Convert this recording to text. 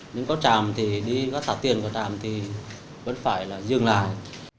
nếu có tràm thì đi các thảo tiền của tràm thì vẫn phải dừng lại